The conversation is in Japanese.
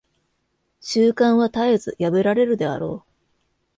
習慣は絶えず破られるであろう。